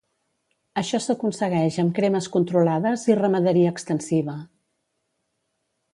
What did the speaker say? Això s'aconsegueix amb cremes controlades i ramaderia extensiva.